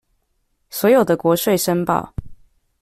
所有的國稅申報